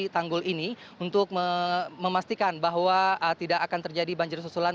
tanggul ini untuk memastikan bahwa tidak akan terjadi banjir susulan